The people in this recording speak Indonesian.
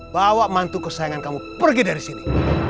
bawa mantu kesayangan kamu pergi dari sini